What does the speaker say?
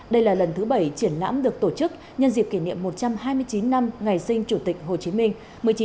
đây là lần thứ bảy triển lãm được tổ chức nhân dịp kỷ niệm một trăm hai mươi chín năm ngày sinh chủ tịch hồ chí minh